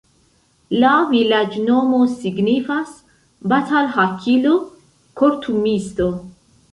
La vilaĝnomo signifas: batalhakilo-kortumisto.